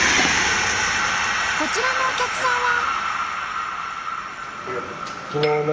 こちらのお客さんは。